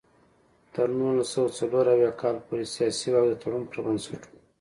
تر نولس سوه څلور اویا کال پورې سیاسي واک د تړون پر بنسټ و.